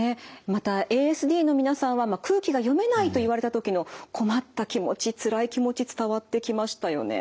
またＡＳＤの皆さんは空気が読めないと言われた時の困った気持ちつらい気持ち伝わってきましたよね。